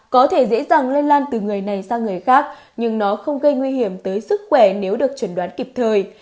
có thể dễ dàng lây lan từ người này sang người khác nhưng nó không gây nguy hiểm tới sức khỏe nếu được chuẩn đoán kịp thời